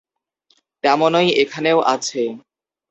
তেমনই এখানেও আছে।